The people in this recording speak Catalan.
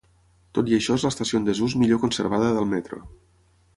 Tot i això és l'estació en desús millor conservada del metro.